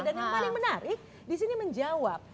dan yang paling menarik disini menjawab